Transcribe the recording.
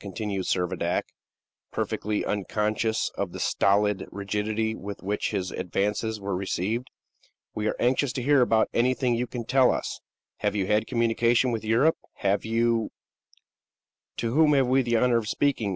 continued Servadac, perfectly unconscious of the stolid rigidity with which his advances were received. "We are anxious to hear anything you can tell us. Have you had communications with Europe? Have you " "To whom have we the honor of speaking?"